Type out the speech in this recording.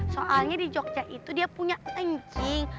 soalnya di jogja itu dia punya anjing